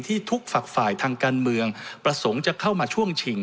ทุกฝักฝ่ายทางการเมืองประสงค์จะเข้ามาช่วงชิง